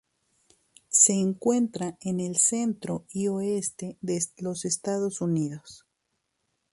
Se encuentra en el centro y oeste de los Estados Unidos.